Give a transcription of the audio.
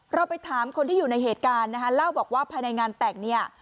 เราไปถามคนที่อยู่ในเหตุการณ์นะคะเล่าบอกว่าภายในงานแต่งเนี่ย